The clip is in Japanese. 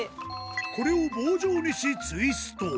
これを棒状にし、ツイスト。